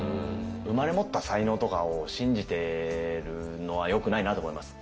生まれ持った才能とかを信じてるのはよくないなと思います。